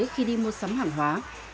khi đi mua sắm hàng hóa